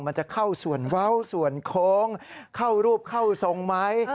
มันจะเข้าส่วนเว้าส่วนโค้งเข้ารูปเข้าทรงไหม